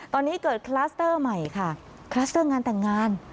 ตอนนี้เกิดคลัสเตอร์ใหม่ค่ะคลัสเตอร์งานแต่งงาน